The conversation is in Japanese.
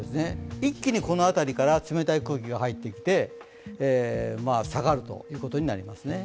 一気にこの辺りから冷たい空気が入ってきて、下がるということになります。